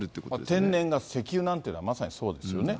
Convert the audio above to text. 天然ガス、石油なんていうのはまさにそうですよね。